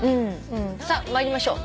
さあ参りましょう。